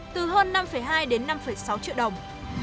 từ hơn năm hai đến năm sáu triệu đồng